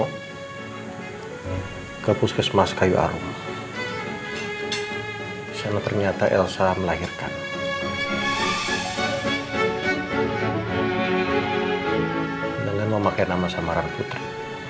hai kapus kesmas kayu arum sama ternyata elsa melahirkan dengan memakai nama samarang putri